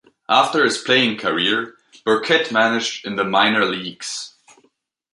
After his playing career, Burkett managed in the minor leagues.